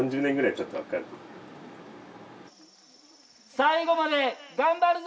最後まで頑張るぞ！